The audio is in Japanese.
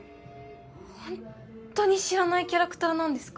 ホントに知らないキャラクターなんですか？